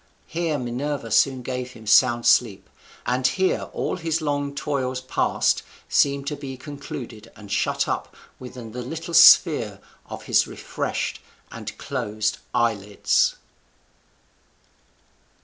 Here Minerva soon gave him sound sleep; and here all his long toils past seemed to be concluded and shut up within the little sphere of his refreshed and closed eyelids.